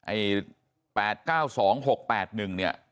ไอ้๘๙๒๖๘๑เนี่ย